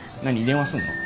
電話すんの？